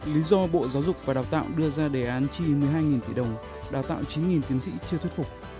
lý do bộ giáo dục và đào tạo đưa ra đề án chi một mươi hai tỷ đồng đào tạo chín tiến sĩ chưa thuyết phục